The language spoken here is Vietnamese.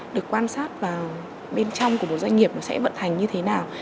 được quan sát vào bên trong của một doanh nghiệp nó sẽ vận hành như thế nào